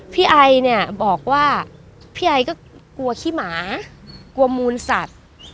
ไอเนี่ยบอกว่าพี่ไอก็กลัวขี้หมากลัวมูลสัตว์